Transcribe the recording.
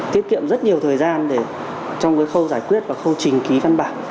tiết kiệm rất nhiều thời gian để trong khâu giải quyết và khâu trình ký văn bản